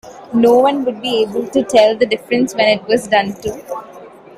No one would be able to tell the difference when it was done too.